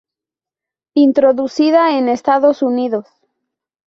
Introducida en Estados Unidos.